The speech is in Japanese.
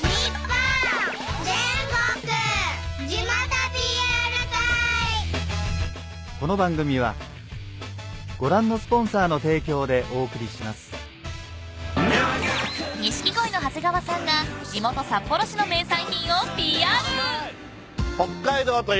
旅行に行った時［錦鯉の長谷川さんが地元札幌市の名産品をＰＲ］